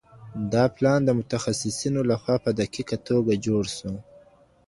دا پلان د متخصصينو لخوا په دقيقه توګه جوړ سو.